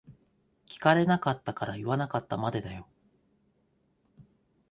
聞かれなかったから言わなかったまでだよ。